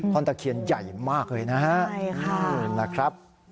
ข้อนตะเคียนใหญ่มากเลยนะฮะใช่ค่ะ